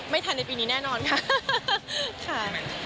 ทันในปีนี้แน่นอนค่ะ